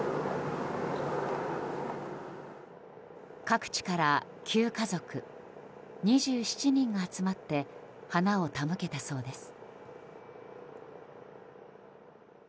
各地から９家族２７人が集まって花を手向けたそうです。